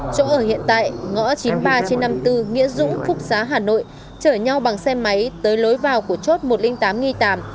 chỗ ở hiện tại ngõ chín mươi ba trên năm mươi bốn nghĩa dũng phúc xá hà nội chở nhau bằng xe máy tới lối vào của chốt một trăm linh tám nghi tám